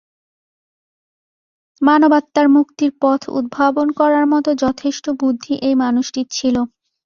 মানবাত্মার মুক্তির পথ উদ্ভাবন করার মত যথেষ্ট বুদ্ধি এই মানুষটির ছিল।